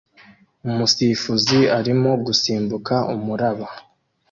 Umusifuzi arimo gusimbuka umuraba